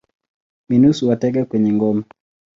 Minus huwatega kwenye ngome.